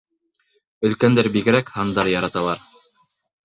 Өлкәндәр бигерәк һандар яраталар.